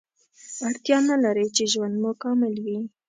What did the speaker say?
اړتیا نلري چې ژوند مو کامل وي